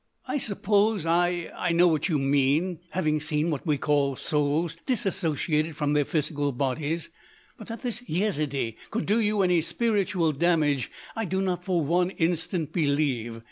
"I suppose I—I know what you mean—having seen what we call souls dissociated from their physical bodies—but that this Yezidee could do you any spiritual damage I do not for one instant believe.